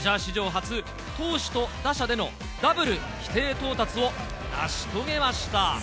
初、投手と打者でのダブル規定到達を成し遂げました。